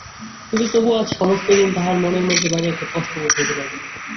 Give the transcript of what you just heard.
কিন্তু তবু আজ সমস্ত দিন তাহার মনের মধ্যে ভারি একটা কষ্ট বোধ হইতে লাগিল।